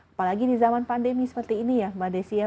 apalagi di zaman pandemi seperti ini ya mbak desi ya